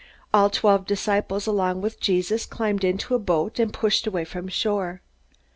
All twelve disciples, along with Jesus, climbed into a boat and pushed away from shore.